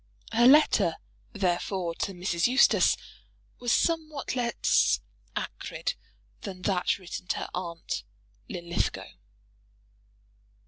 Her letter, therefore, to Mrs. Eustace was somewhat less acrid than that written to her aunt Linlithgow.